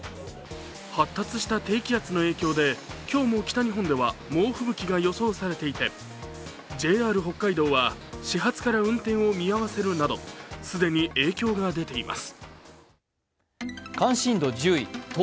発達した低気圧の影響で今日も北日本では猛吹雪が予想されていてＪＲ北海道は始発から運転を見合わせるなど既に影響が出ています。